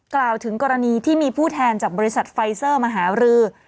กล่าวถึงกรณีที่มีผู้แทนจากบริษัทไฟเซอร์มาหารือ